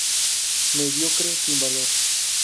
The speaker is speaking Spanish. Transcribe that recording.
Mediocre, sin valor.